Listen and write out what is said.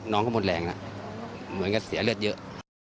น้องก็หมดแรงแล้วเหมือนกับเสียเลือดเยอะ